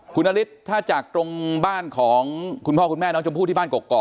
คุณนฤทธิ์ถ้าจากตรงบ้านของคุณพ่อคุณแม่น้องชมพู่ที่บ้านกอก